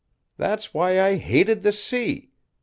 That's why I hated the sea.